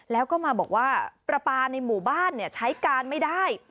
แล้วก็มาบอกว่าปลาปลาในหมู่บ้านใช้การไม่ได้